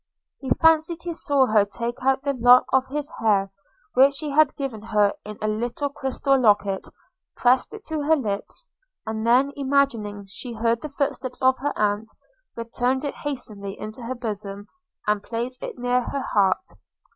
He fancied he saw her take out the lock of his hair which he had given her in a little crystal locket, press it to her lips, and then, imagining she heard the footsteps of her aunt, return it hastily into her bosom, and place it near her heart.